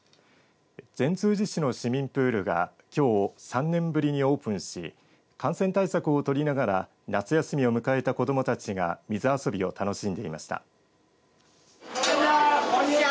善通寺市の市民プールがきょう３年ぶりにオープンし感染対策を取りながら夏休みを迎えた子どもたちが水遊びを楽しんでいました。